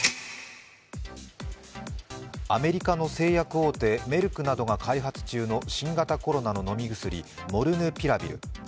アメリカの製薬大手メルクなどが開発中の新型コロナの飲み薬モルヌピラビル。